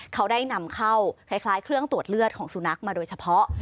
เขาได้นำเข้าคล้ายเครื่องตรวจเลือดของสุนัขมาโดยเฉพาะ